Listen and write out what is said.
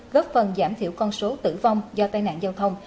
góp phần giảm thiểu con số tử vong do tai nạn giao thông